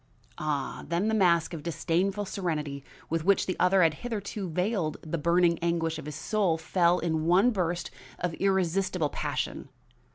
Ah! then the mask of disdainful serenity with which the other had hitherto veiled the burning anguish of his soul fell in one burst of irresistible passion.